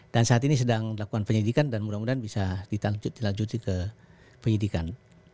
dan saat ini sedang lakukan penyidikan dan mudah mudahan bisa dilanjutkan ke penyidikan